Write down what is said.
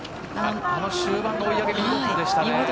終盤の追い上げ見事でした。